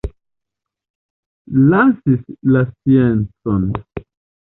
Lasis la sciencon.